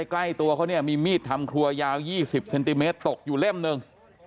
ใกล้ตัวเขาเนี่ยมีมีดทำครัวยาว๒๐เซนติเมตรตกอยู่เล่มหนึ่ง